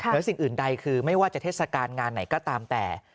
หรือสิ่งอื่นใดคือไม่ว่าจะเทศกาลงานไหนก็ตามแต่